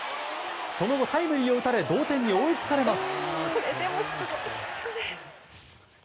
その後、タイムリーを打たれ同点に追いつかれます。